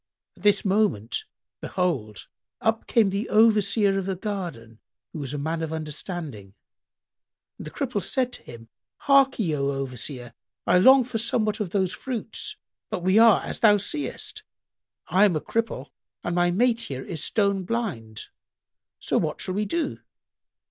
At this moment, behold, up came the Overseer of the garden, who was a man of understanding, and the Cripple said to him, "Harkye, O Overseer! I long for somewhat of those fruits; but we are as thou seest; I am a cripple and my mate here is stone blind: so what shall we do?"